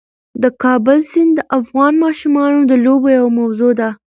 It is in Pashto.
د کابل سیند د افغان ماشومانو د لوبو یوه موضوع ده.